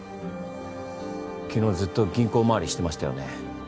昨日ずっと銀行回りしてましたよね。